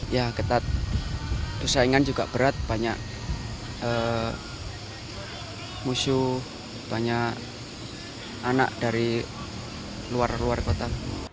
ya ketat dosaingan juga berat banyak musuh banyak anak dari luar luar kota